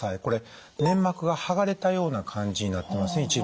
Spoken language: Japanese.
これ粘膜が剥がれたような感じになってません？